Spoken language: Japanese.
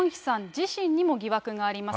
自身にも疑惑があります。